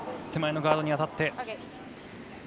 手前のガードに当たって。